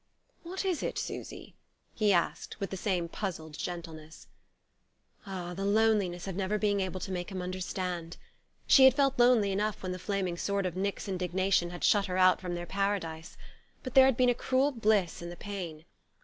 "What is it, Susy?" he asked, with the same puzzled gentleness. Ah, the loneliness of never being able to make him understand! She had felt lonely enough when the flaming sword of Nick's indignation had shut her out from their Paradise; but there had been a cruel bliss in the pain.